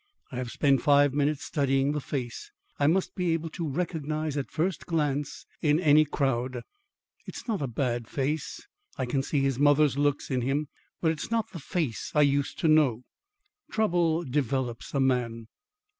I have spent five minutes studying the face I must be able to recognise at first glance in any crowd. It's not a bad face; I can see his mother's looks in him. But it is not the face I used to know. Trouble develops a man.